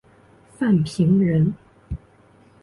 范平人。